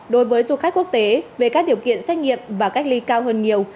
đối với du khách quốc tế về các điều kiện xét nghiệm và cách ly cao hơn nhiều